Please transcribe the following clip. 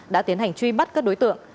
đã tiến hành truy bắt các đối tượng